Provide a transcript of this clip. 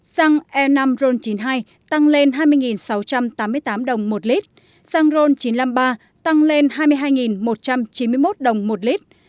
xăng e năm ron chín mươi hai tăng lên hai mươi sáu trăm tám mươi tám đồng một lít xăng ron chín trăm năm mươi ba tăng lên hai mươi hai một trăm chín mươi một đồng một lít